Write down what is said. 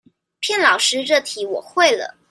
騙老師這題我會了